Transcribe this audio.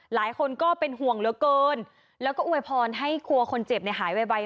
หลายคนก็เป็นห่วงเหลือเกินแล้วก็อวยพรให้ครัวคนเจ็บเนี่ยหายไว